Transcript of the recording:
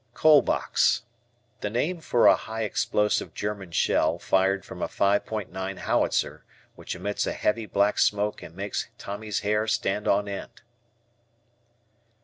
"Coal Box." The nickname for a high explosive German shell fired from a 5.9 howitzer which emits a heavy black smoke and makes Tommy's hair stand on end.